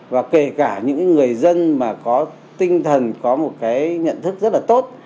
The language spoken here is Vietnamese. và kể cả những người dân mà có tinh thần có một cái nhận thức rất là tốt